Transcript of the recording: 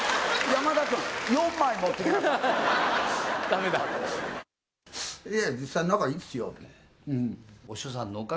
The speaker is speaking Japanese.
山田君、４枚持って行きなさい。